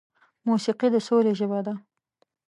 موسیقي د سولې ژبه ده.